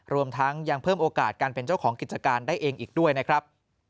รวมทั้งยังเพิ่มโอกาสการเป็นเจ้าของกิจการได้เองอีกด้วยนะครับ